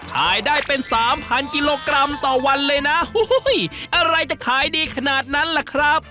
ขายได้เป็นสามพันกิโลกรัมต่อวันเลยนะอะไรจะขายดีขนาดนั้นล่ะครับ